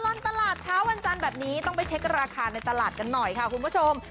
ตลอดตลาดเช้าวันจันทร์แบบนี้ต้องไปเช็คราคาในตลาดกันหน่อยค่ะคุณผู้ชม